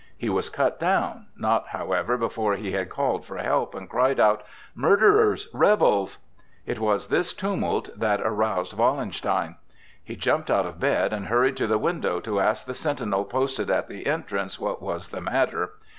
He was cut down, not, however, before he had called for help, and cried out: "Murderers! Rebels!" It was this tumult that aroused Wallenstein. He jumped out of bed and hurried to the window to ask the sentinel posted at the entrance what was the matter.